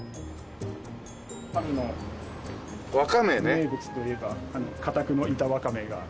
春の名物といえば片句の板わかめが。